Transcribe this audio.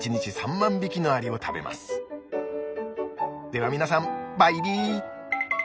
こうしてでは皆さんバイビー！